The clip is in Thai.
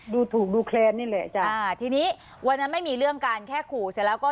ดูถูกดูแคลนนี่แหละจ้ะอ่าทีนี้วันนั้นไม่มีเรื่องการแค่ขู่เสร็จแล้วก็